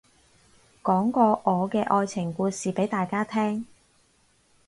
講個我嘅愛情故事俾大家聽